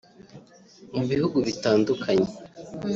Ku bihugu bitandukanye